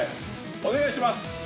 お願いします。